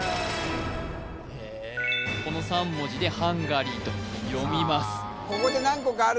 この３文字でハンガリーと読みます